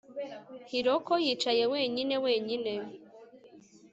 Hiroko yicaye wenyine wenyine